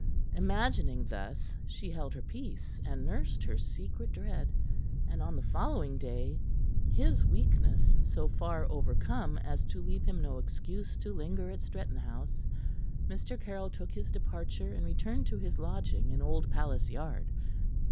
Imagining thus, she held her peace, and nursed her secret dread. And on the following day, his weakness so far overcome as to leave him no excuse to linger at Stretton House, Mr. Caryll took his departure and returned to his lodging in Old Palace Yard.